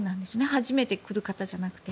初めて来る方じゃなくて。